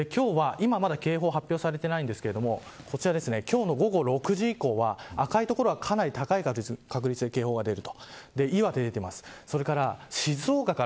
今は、まだ警報が発表されていないんですがこちら今日の午後６時以降は赤い所は、かなり高い確率で警報が出る。